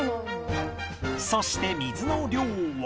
そして水の量は